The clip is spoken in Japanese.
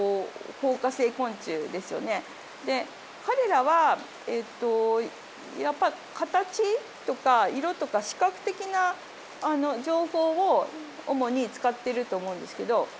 で彼らはやっぱり形とか色とか視覚的な情報を主に使ってると思うんですけど。